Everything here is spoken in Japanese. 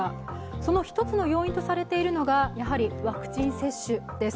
その一つの要因とされているのがワクチン接種です。